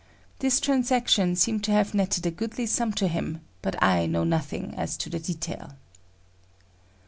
This transaction seemed to have netted a goodly sum to him, but I know nothing as to the detail.